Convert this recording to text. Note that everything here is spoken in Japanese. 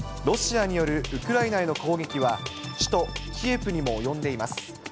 ロシアによるウクライナへの攻撃は、首都キエフにも及んでいます。